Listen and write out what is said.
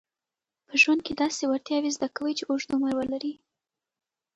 په ژوند کې داسې وړتیاوې زده کوي چې اوږد عمر ولري.